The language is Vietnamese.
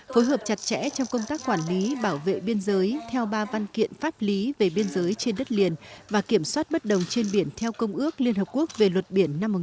phối hợp chặt chẽ trong công tác quản lý bảo vệ biên giới theo ba văn kiện pháp lý về biên giới trên đất liền và kiểm soát bất đồng trên biển theo công ước liên hợp quốc về luật biển năm một nghìn chín trăm tám mươi